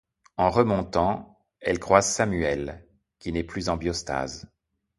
En remontant, elle croise Samuel, qui n'est plus en biostase.